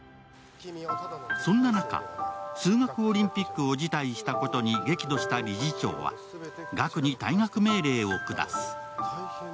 そんな中、数学オリンピックを辞退したことに激怒した理事長は、岳に退学命令を下す。